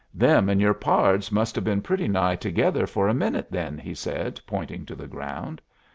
"Them and your pards must have been pretty nigh together for a minute, then," he said, pointing to the ground.